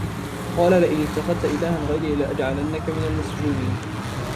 قَالَ لَئِنِ اتَّخَذْتَ إِلَهًا غَيْرِي لَأَجْعَلَنَّكَ مِنَ الْمَسْجُونِينَ